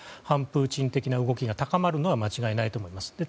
反プーチン的な動きが高まることは間違いないと思います。